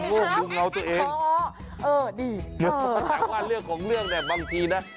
แล้วโง่ดูเงาตัวเองโหอ่อดีแต่ว่าเรื่องของเรื่องบางทีนะ